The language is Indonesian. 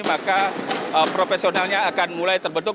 maka profesionalnya akan mulai terbentuk